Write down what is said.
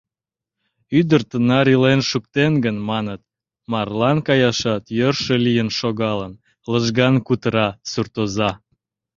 — Ӱдыр тынар илен шуктен гын, маныт, марлан каяшат йӧршӧ лийын шогалын, — лыжган кутыра суртоза.